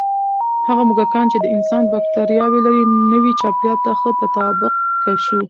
هغه موږکان چې د انسان بکتریاوې لري، نوي چاپېریال ته ښه تطابق شو.